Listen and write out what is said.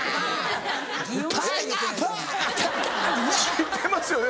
知ってますよね